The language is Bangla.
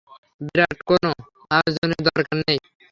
বিরাট কোনও আয়োজনের দরকার নেই।